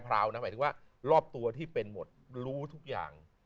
หมายถึงว่ารอบตัวที่เป็นหมดรู้ทุกอย่าง